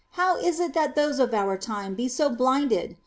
How is it Uiat those of our time be so blinded